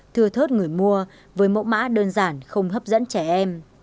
thưa thớt người mua với mẫu mã đơn giản không hấp dẫn trẻ em